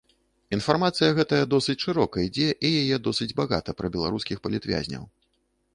Інфармацыя гэтая досыць шырока ідзе і яе досыць багата пра беларускіх палітвязняў.